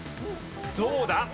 どうだ？